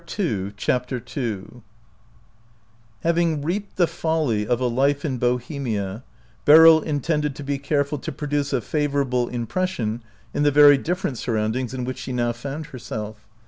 49 CHAPTER II HAVING reaped the folly of a life in Bohemia, Beryl intended to be care ful to produce a favorable impression in the very different surroundings in which she now found herself.